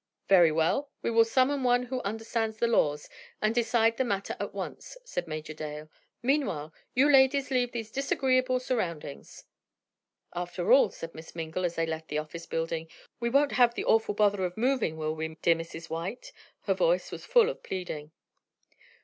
"Very well, we will summon one who understands the laws, and decide the matter at once," said Major Dale; "meanwhile, you ladies leave these disagreeable surroundings." "After all," said Miss Mingle, as they left the office building, "we won't have the awful bother of moving; will we, dear Mrs. White?" Her voice was full of pleading.